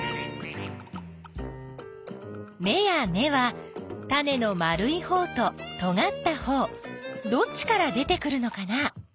めや根はタネの丸いほうととがったほうどっちから出てくるのかな？